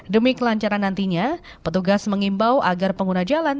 demi kelancaran nantinya petugas mengimbau agar pengguna jalan